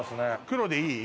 黒でいい？